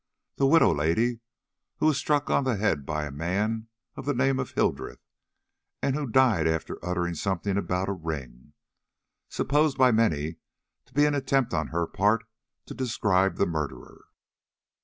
The widow lady who was struck on the head by a man of the name of Hildreth, and who died after uttering something about a ring, supposed by many to be an attempt on her part to describe the murderer?"